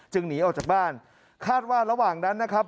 หนีออกจากบ้านคาดว่าระหว่างนั้นนะครับ